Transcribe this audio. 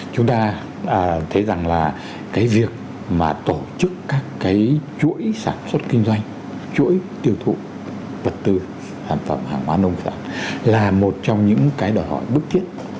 chúng ta thấy rằng là cái việc mà tổ chức các cái chuỗi sản xuất kinh doanh chuỗi tiêu thụ vật tư sản phẩm hàng hóa nông sản là một trong những cái đòi hỏi bức thiết